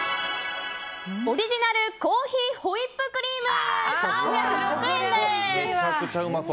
オリジナルコーヒーホイップクリーム３０６円です。